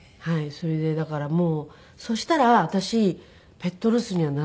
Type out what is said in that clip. それでだからもうそしたら私ペットロスにはならなかったです。